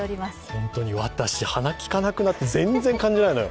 本当に、私、鼻、きかなくなって全然分からないんですよ。